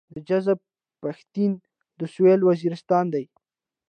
دا جذاب پښتين د سويلي وزيرستان دی.